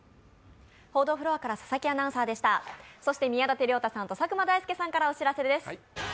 宮舘涼太さんと佐久間大介さんからお知らせです。